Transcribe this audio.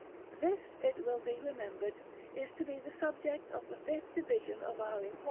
This, it will be remembered, is to be the subject of the fifth division of our inquiry.